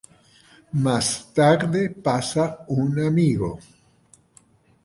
Más tarde pasa un amigo.